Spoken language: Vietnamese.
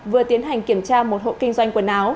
vừa tiến hành kiểm tra một hộ kinh doanh quần áo